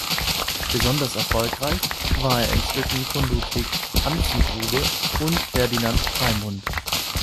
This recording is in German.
Besonders erfolgreich war er in Stücken von Ludwig Anzengruber und Ferdinand Raimund.